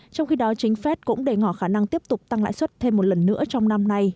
trong khi đó chính fed cũng đề ngỏ khả năng tiếp tục tăng lãi suất thêm một lần nữa trong năm nay